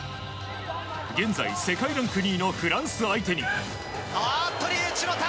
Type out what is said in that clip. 現在、世界ランク２位のフランス相手に。